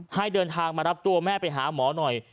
ให้เดินทางมารับตัวแม่ไปหาหมอหน่อย